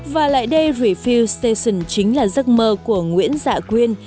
và lại đây resefield station chính là giấc mơ của nguyễn dạ quyên